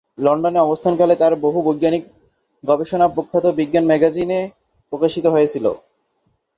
লন্ডনে অবস্থানকালে তাঁর বহু বৈজ্ঞানিক গবেষণা প্রখ্যাত বিজ্ঞান ম্যাগাজিনে প্রকাশিত হয়েছিল।